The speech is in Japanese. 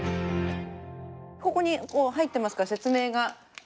ここに入ってますから説明が。